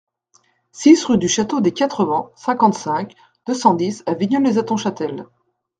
six rue du Château des Quatre Vents, cinquante-cinq, deux cent dix à Vigneulles-lès-Hattonchâtel